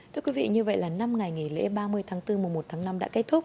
thưa quý vị như vậy là năm ngày nghỉ lễ ba mươi tháng bốn mùa một tháng năm đã kết thúc